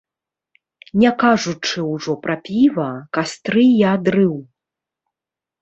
Не кажучы ўжо пра піва, кастры і адрыў.